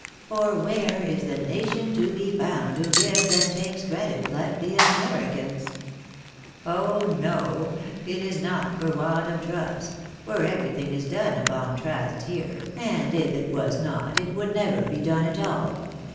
For where is the nation to be found who gives and takes credit like the Americans ? Oh, no ! It is not for want of trust ; for everything is done upon trust here, and if it was not it would never be done at all.